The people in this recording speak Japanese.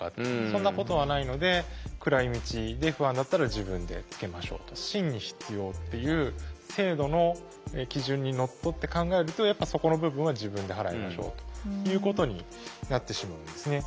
そんなことはないので暗い道で不安だったら自分でつけましょうと。にのっとって考えるとやっぱそこの部分は自分で払いましょうということになってしまうんですね。